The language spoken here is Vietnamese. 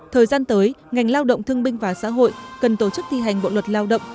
thời gian tới ngành lao động thương binh và xã hội cần tổ chức thi hành bộ luật lao động